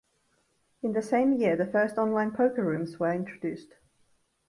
In the same year the first online poker rooms were introduced.